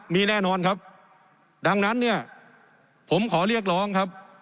มีแน่นอนครับดังนั้นเนี่ยผมขอเรียกร้องครับ